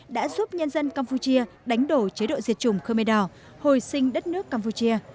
đã giúp nhân dân campuchia đánh đổ chế độ diệt chủng khmer đỏ hồi sinh đất nước campuchia